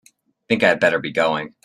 Think I'd better be going.